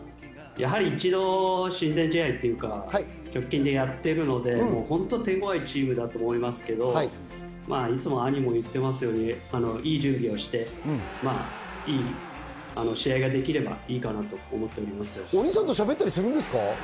一度、親善試合を直近でやっているので、本当に手強いチームだと思いますけど、いつも兄も言ってますが、いい準備をしていい試合ができればいいお兄さんとしゃべったりするんですか？